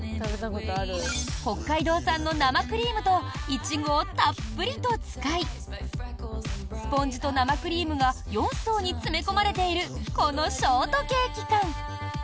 北海道産の生クリームとイチゴをたっぷりと使いスポンジと生クリームが４層に詰め込まれているこのショートケーキ缶。